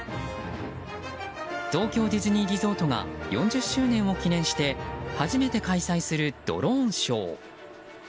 東京ディズニーリゾートが４０周年を記念して初めて開催するドローンショー。